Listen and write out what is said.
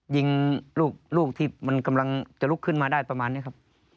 ยิงลูกที่มันกำลังจะลุกขึ้นมาได้ประมาณนี้ครับ